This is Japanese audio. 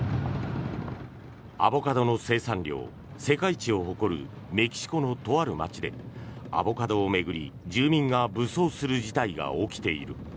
アボカドの生産量世界一を誇るメキシコのとある街でアボカドを巡り住民が武装する事態が起きている。